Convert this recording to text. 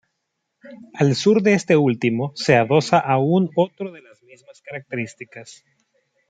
Al sur de este último se adosa aún otro de las mismas características.